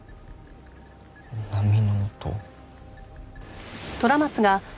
波の音。